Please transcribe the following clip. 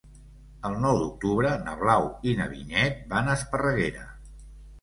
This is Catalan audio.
El nou d'octubre na Blau i na Vinyet van a Esparreguera.